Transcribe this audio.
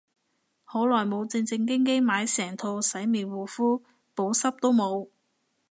好耐冇正正經經買成套洗面護膚，補濕都冇